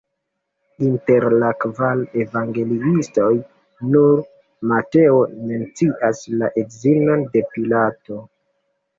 Inter la kvar evangeliistoj nur Mateo mencias la edzinon de Pilato.